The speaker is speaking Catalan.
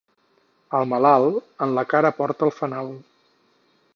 El malalt, en la cara porta el fanal.